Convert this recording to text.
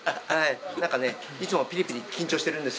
なんかね、いつもぴりぴり緊張してるんですよ。